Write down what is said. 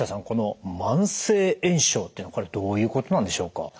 この慢性炎症っていうのはどういうことなんでしょうか？